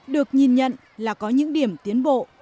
được nhìn nhận là có những điểm tiến bộ